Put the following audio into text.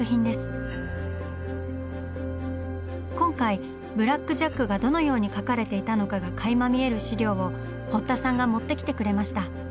今回「ブラック・ジャック」がどのように描かれていたのかがかいま見える資料を堀田さんが持ってきてくれました。